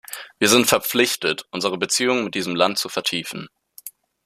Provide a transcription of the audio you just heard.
Wir sind verpflichtet, unsere Beziehungen mit diesem Land zu vertiefen.